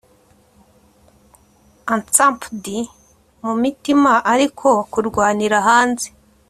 Encampd mumitima ariko kurwanira hanze